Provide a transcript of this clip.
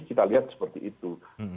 kita lihat seperti itu